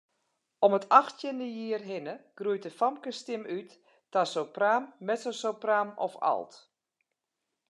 Om it achttjinde jier hinne groeit de famkesstim út ta sopraan, mezzosopraan of alt.